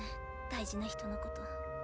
大事な人のこと。